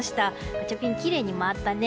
ガチャピン、きれいに回ったね。